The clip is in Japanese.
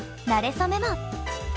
そメモ。